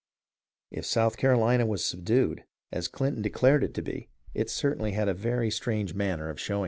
If South Carolina was " subdued," as Clinton had declared it to be, it certainly had a very strange manner of showing it.